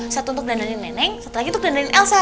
satu untuk dandanin nenek satu lagi untuk dandanin elsa